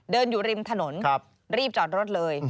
อยู่ริมถนนรีบจอดรถเลย